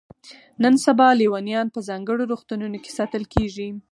نن سبا لیونیان په ځانګړو روغتونونو کې ساتل کیږي.